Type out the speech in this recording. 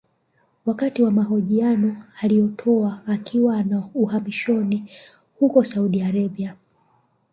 Wakati wa mahojiano aliyotoa akiwa uhamishoni huko Saudi Arabia